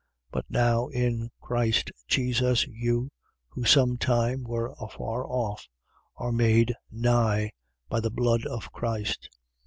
2:13. But now in Christ Jesus, you, who some time were afar off, are made nigh by the blood of Christ.